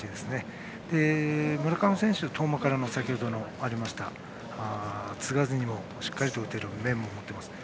村上選手は遠間から先程もありましたが継がずにしっかり打てる面も持っています。